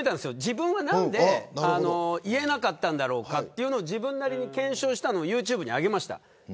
自分は何で言えなかったんだろうかというのを自分なりに検証したのをユーチューブに上げました。